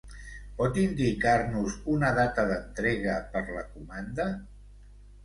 Pot indicar-nos una data d'entrega per la comanda?